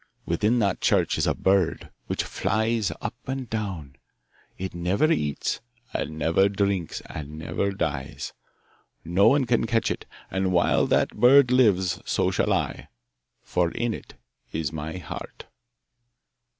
Within that church is a bird which flies up and down; it never eats, and never drinks, and never dies. No one can catch it, and while that bird lives so shall I, for in it is my heart.